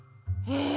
え